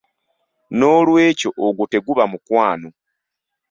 Noolwekyo ogwo teguba mukwano.